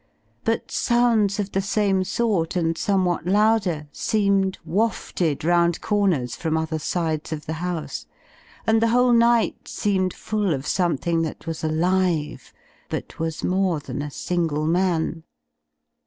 But sounds of the same sort and somewhat louder seemed wafted round comers from other sides of the house ; and the whole night seemed full of something that was alive, but was more than a single man.